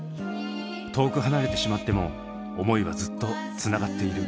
遠く離れてしまっても思いはずっとつながっている。